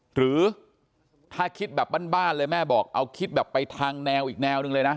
หรือถ้าคิดแบบบ้านเลยแม่บอกเอาคิดแบบไปทางแนวอีกแนวหนึ่งเลยนะ